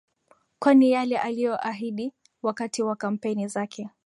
kwani yale aliyoahidi wakati wa kampeni zake